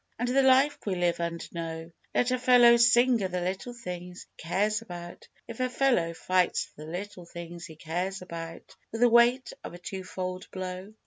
And the life we live and know, Let a fellow sing o' the little things he cares about, If a fellow fights for the little things he cares about With the weight of a two fold blow!